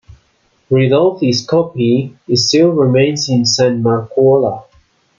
Ridolfis copy still remains in San Marcuola.